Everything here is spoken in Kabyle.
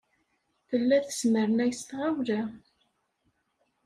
Tella tesmernay s tɣawla.